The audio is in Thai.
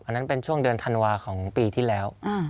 อันนั้นเป็นช่วงเดือนธันวาของปีที่แล้ว